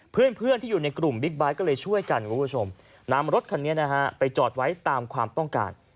เพื่อนที่อยู่ในกลุ่มบิ๊กไบท์ก็เลยช่วยกันคุณผู้ชมนำรถคันนี้นะฮะไปจอดไว้ตามความต้องการ